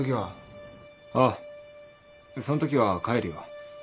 ああそんときは帰るよ。